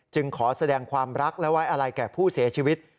ขอแสดงความรักและไว้อะไรแก่ผู้เสียชีวิต